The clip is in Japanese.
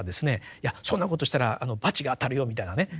いやそんなことしたら罰が当たるよみたいなね